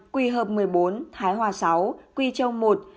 quỳ hợp một mươi bốn thái hòa sáu quỳ châu một